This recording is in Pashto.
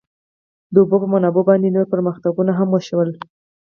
د اوبو په منابعو باندې نور پرمختګونه هم وشول.